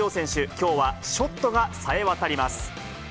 きょうはショットがさえ渡ります。